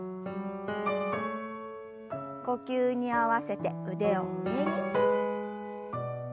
呼吸に合わせて腕を上に。